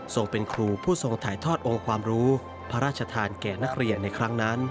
เป็นครูผู้ทรงถ่ายทอดองค์ความรู้พระราชทานแก่นักเรียนในครั้งนั้น